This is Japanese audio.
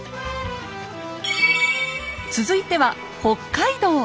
続いては北海道。